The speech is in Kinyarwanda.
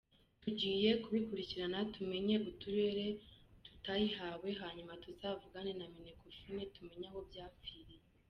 Tugiye kubikurikirana tumenye uturere tutayihawe hanyuma tuzavugane na Minecofin tumenye aho byapfiriye.